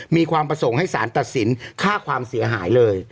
มีความประสงค์ให้สารตัดสินค่าความเสียหายเลย